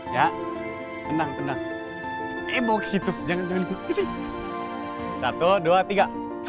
ya enak enak e box itu jangan jangan satu dua tiga